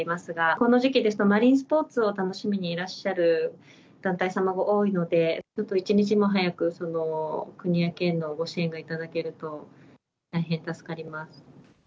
この時期ですと、マリンスポーツを楽しみにいらっしゃる団体様が多いので、本当一日も早く、国や県のご支援がいただけると大変助かります。